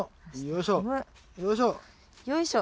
よいしょ。